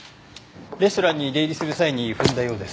レストランに出入りする際に踏んだようです。